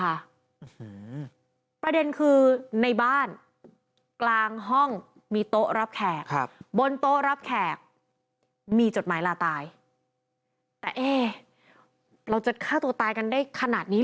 อืมประเด็นคือในบ้านกลางห้องมีโต๊ะรับแขก